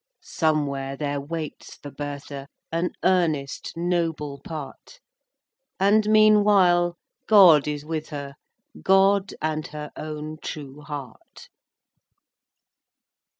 Somewhere there waits for Bertha An earnest noble part; And, meanwhile, God is with her,— God, and her own true heart!